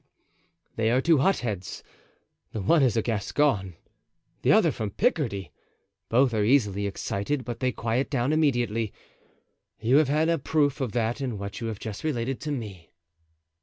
They are two hotheads—the one a Gascon, the other from Picardy; both are easily excited, but they quiet down immediately. You have had a proof of that in what you have just related to me."